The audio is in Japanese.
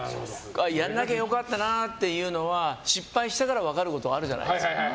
やんなきゃ良かったなというのは失敗したから分かることもあるじゃないですか。